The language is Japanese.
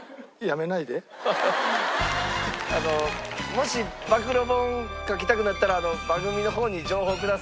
もし暴露本書きたくなったら番組の方に情報ください。